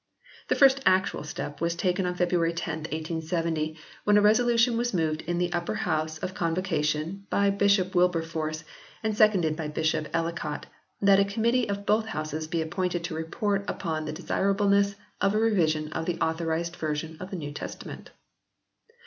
The first actual step was taken ou February 10, vn] THE REVISED VERSION OF 1881 123 1870, when a resolution was moved in the Upper House of Convocation by Bishop Wilberforce and seconded by Bishop Ellicott, that a committee of both Houses be appointed to report upon the de sirableness of a revision of the Authorised Version of the New Testament.